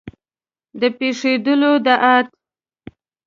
د پېښېدلو د احت